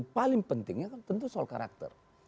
paling pentingnya tentu soal karakter